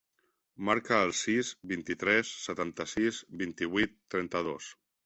Marca el sis, vint-i-tres, setanta-sis, vint-i-vuit, trenta-dos.